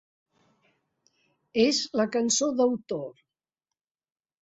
És la cançó d’autor.